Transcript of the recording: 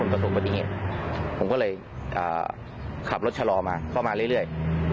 ผมก็เลยขับรถชะลอมาเข้ามาเรื่อย